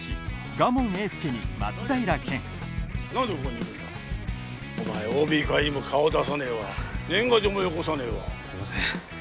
賀門英助に松平健何でここにいるんだお前ＯＢ会にも顔出さねえわ年賀状もよこさねえわすいません